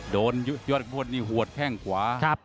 โดนยอดพวกนี้หัวแข้งขวา